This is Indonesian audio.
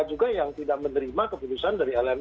juga yang tidak menerima keputusan dari lm